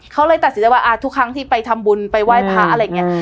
เขาเลยตัดสินใจว่าทุกครั้งที่ไปทำบุญไปไหว้พระอะไรอย่างนี้